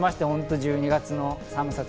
１２月並みの寒さ。